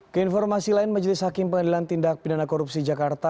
keinformasi lain majelis hakim pengadilan tindak pidana korupsi jakarta